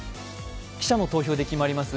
記者の投票で決まります